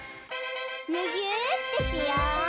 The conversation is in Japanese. むぎゅーってしよう！